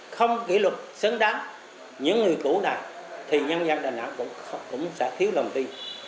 không kỷ luật xứng đáng những người củ này thì nhân dân đà nẵng cũng sẽ thiếu lòng đi